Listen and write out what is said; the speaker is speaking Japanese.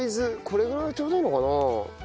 これぐらいがちょうどいいのかな？